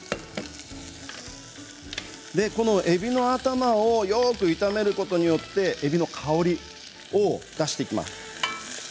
この、えびの頭をよく炒めることによってえびの香りを出していきます。